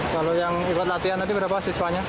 kalau yang ikut latihan tadi berapa siswanya